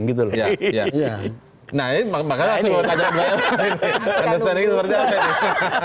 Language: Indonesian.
nah ini makanya langsung saya tanya kepada mbak eva